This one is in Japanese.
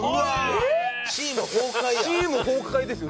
チーム崩壊ですよ。